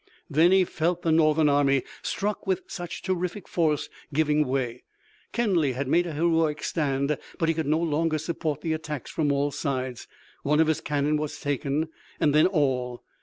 Then he felt the Northern army, struck with such terrific force, giving way. Kenly had made a heroic stand, but he could no longer support the attacks from all sides. One of his cannon was taken and then all.